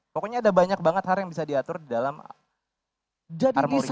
pokoknya ada banyak banget hal yang bisa diatur di dalam armoury crate